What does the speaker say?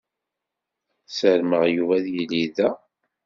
Sarmeɣ Yuba ad yili da.